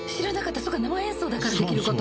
そうか生演奏だからできること？